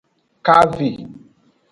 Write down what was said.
Kave.